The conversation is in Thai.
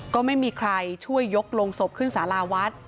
ก็ไม่มีใครช่วยยกลงศพขึ้นสาราวัด